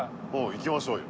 行きましょうよ。